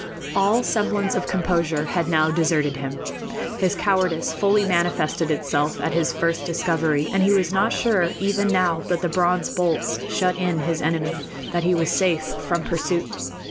All semblance of composure had now deserted him. His cowardice fully manifested itself at his first discovery, and he was not sure, even now that the bronze bolts shut in his enemy, that he was safe from pursuit.